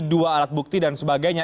dua alat bukti dan sebagainya